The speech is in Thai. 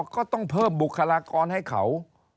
ก็ต้องเพิ่มบุคลากรให้เขา